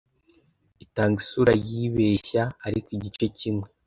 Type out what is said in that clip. Itanga isura yibeshya ariko igice kimwe